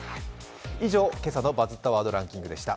以上、今朝の「バズったワードランキング」でした。